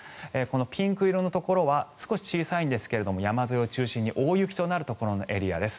ピンク色のところは少し小さいんですが山沿いを中心に大雪となるエリアです。